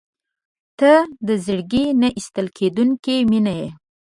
• ته د زړګي نه ایستل کېدونکې مینه یې.